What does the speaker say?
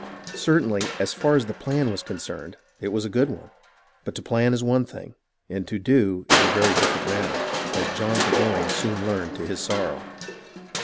Certainly, as far as the plan was concerned, it was a good one; but to plan is one thing, and to do is a very different matter, as John Bur goyne soon learned to his sorrow.